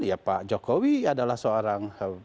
ya pak jokowi adalah seorang